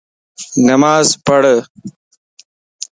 نماز پڙھ